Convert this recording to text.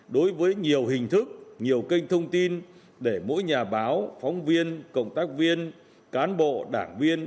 đối với nhiều hình thức nhiều kênh thông tin để mỗi nhà báo phóng viên cộng tác viên cán bộ đảng viên